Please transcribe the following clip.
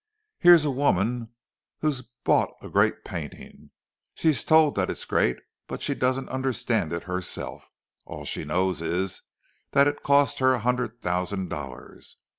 Here's a woman who's bought a great painting; she's told that it's great, but she doesn't understand it herself—all she knows is that it cost her a hundred thousand dollars.